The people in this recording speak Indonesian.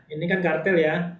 ini kan kartel ya